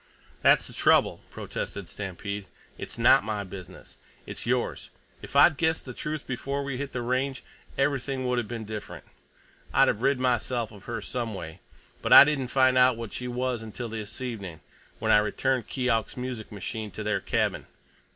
"That's the trouble," protested Stampede. "It's not my business. It's yours. If I'd guessed the truth before we hit the Range, everything would have been different. I'd have rid myself of her some way. But I didn't find out what she was until this evening, when I returned Keok's music machine to their cabin.